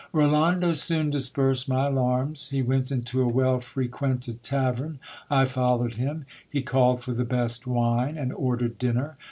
Rolando soon dispersed my alarms. He went into a well frequented ta vem ; I followed him. He called for the best wine, and ordered dinner.